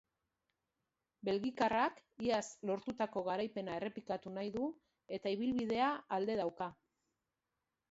Belgikarrak iaz lortutako garaipena errepikatu nahi du, eta ibilbidea alde dauka.